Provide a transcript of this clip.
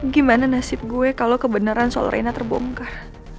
gimana nasib gue kalau kebenaran soal reina terbongkar